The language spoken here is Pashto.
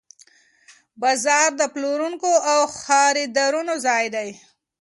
بازار د پلورونکو او خریدارانو ځای دی.